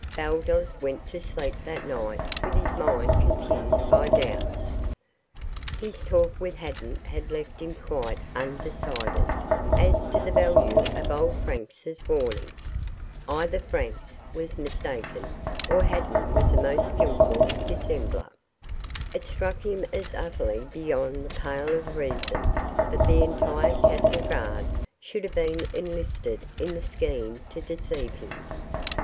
Baldos went to sleep that night with his mind confused by doubts. His talk with Haddan had left him quite undecided as to the value of old Franz's warning. Either Franz was mistaken, or Haddan was a most skilful dissembler. It struck him as utterly beyond the pale of reason that the entire castle guard should have been enlisted in the scheme to deceive him.